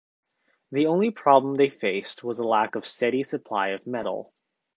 The only problem they faced was a lack of a steady supply of metal.